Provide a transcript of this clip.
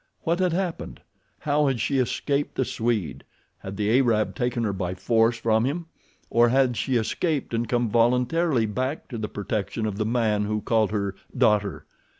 What had happened? How had she escaped the Swede? Had the Arab taken her by force from him, or had she escaped and come voluntarily back to the protection of the man who called her "daughter"?